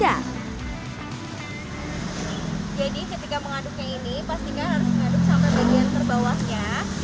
jadi ketika mengaduknya ini pastikan harus mengaduk sampai bagian terbawahnya